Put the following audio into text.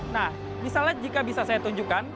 nah misalnya jika bisa saya tunjukkan